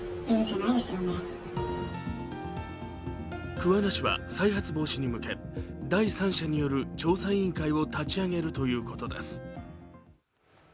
桑名市は再発防止に向け第三者による調査委員会を立ち上げるということです。